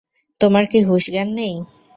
তোমার কি হুঁশ জ্ঞান নেই?